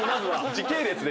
時系列で。